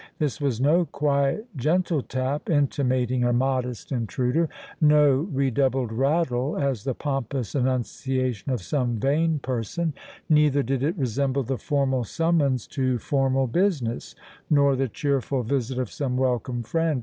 This was no quiet gentle tap, intimating a modest intruder; no redoubled rattle, as the pompous annunciation of some vain person; neither did it resemble the formal summons to formal business, nor the cheerful visit of some welcome friend.